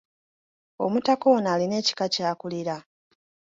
Omutaka ono alina ekika ky'akulira.